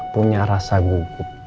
punya rasa gugup